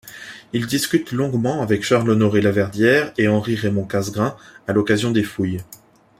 Il discute longuement avec Charles-Honoré Laverdière et Henri-Raymond Casgrain à l'occasion des fouilles.